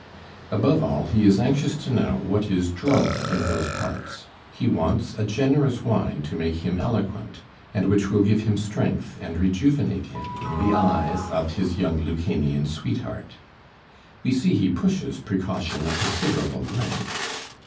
Above all, he is anxious to know what is drunk in those parts. He wants a generous wine to make him eloquent, and "which will give him strength, and rejuvenate him in the eyes of his young Lucanian sweetheart." We see he pushes precaution a considerable length.